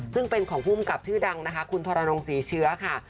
ซึ่งเป็นของภูมิกับชื่อดังนะคะคุณทรนงศรีเชื้อค่ะ